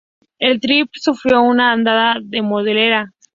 El "Tipperary" sufrió una andanada demoledora.